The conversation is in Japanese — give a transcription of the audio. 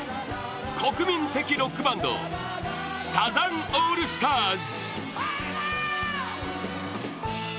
国民的ロックバンドサザンオールスターズ